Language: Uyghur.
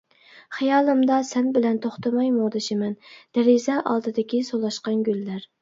خىيالىمدا سەن بىلەن توختىماي مۇڭدىشىمەن. دېرىزە ئالدىدىكى سولاشقان گۈللەر.